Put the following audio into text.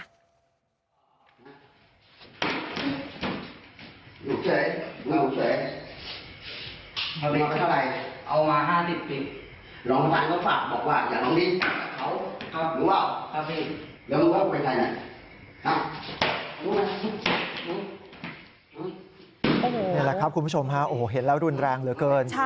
นี่แหละครับคุณผู้ชมฮะโอ้โหเห็นแล้วรุนแรงเหลือเกิน